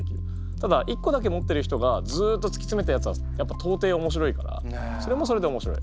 ただ一個だけ持ってる人がずっとつきつめたやつはやっぱ到底おもしろいからそれもそれでおもしろい。